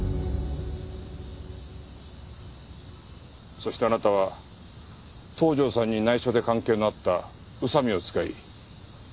そしてあなたは東条さんに内緒で関係のあった宇佐美を使い。